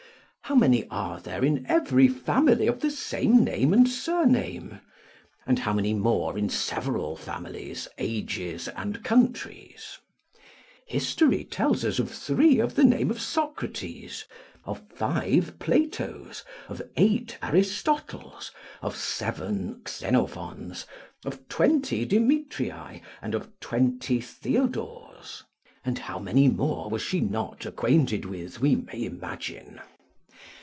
How many are there, in every family, of the same name and surname? and how many more in several families, ages, and countries? History tells us of three of the name of Socrates, of five Platos, of eight Aristotles, of seven Xenophons, of twenty Demetrii, and of twenty Theodores; and how many more she was not acquainted with we may imagine.